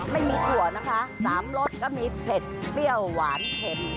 ถั่วนะคะ๓รสก็มีเผ็ดเปรี้ยวหวานเค็ม